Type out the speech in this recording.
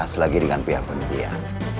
nanti saya bahas lagi dengan pihak pihak